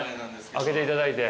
開けていただいて。